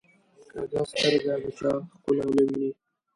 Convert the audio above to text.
کوږه سترګه د چا ښکلا نه ویني